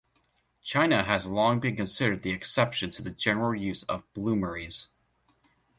China has long been considered the exception to the general use of bloomeries.